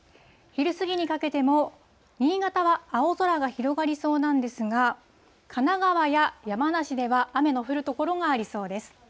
昼過ぎにかけても、新潟は青空が広がりそうなんですが、神奈川や山梨では雨の降る所がありそうです。